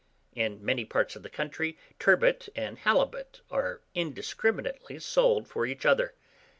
In many parts of the country, turbot and halibut are indiscriminately sold for each other.